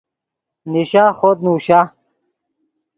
نیشا خوط نوشا